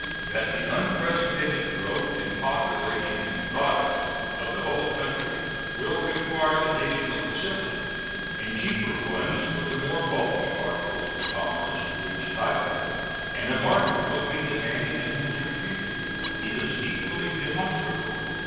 That the unprecedented growth in population and products of the whole country will require additional facilities and cheaper ones for the more bulky articles of commerce to reach tide water and a market will be demanded in the near future is equally demonstrable.